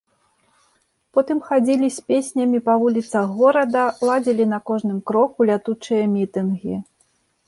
Потым хадзілі з песнямі па вуліцах горада, ладзілі на кожным кроку лятучыя мітынгі.